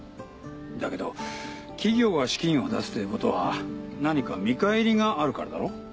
だけど企業が資金を出すということは何か見返りがあるからだろう。